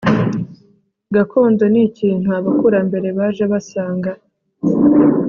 gakondo n'ikintu abakurambere baje basanga